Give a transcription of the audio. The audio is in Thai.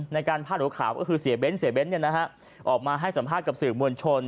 ในการพาดหรือข่าวก็คือเสบนออกมาให้สัมภาษณ์กับสื่อมวลชน